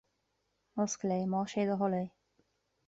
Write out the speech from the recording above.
Oscail é, más é do thoil é